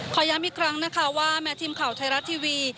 ย้ำอีกครั้งนะคะว่าแม้ทีมข่าวไทยรัฐทีวี